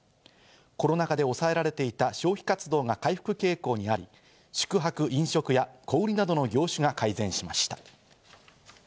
コロナ禍で抑えられていた消費活動が回復傾向にあり、宿泊・飲食や小売・サービス関連で改善しました。